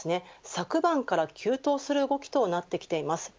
昨晩から急騰する動きとなってきています。